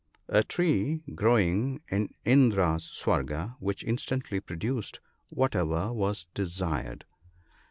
— A tree growing in Indra's Swarga, which instantly produced whatever was desired.